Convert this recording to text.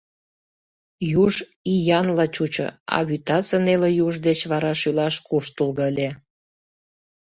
Юж иянла чучо, а вӱтасе неле юж деч вара шӱлаш куштылго ыле.